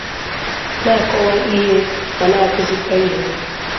na-akọwa ihe ma na-akụzikwa ihe